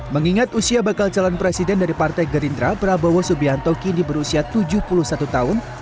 mengingat usia bakal calon presiden dari partai gerindra prabowo subianto kini berusia tujuh puluh satu tahun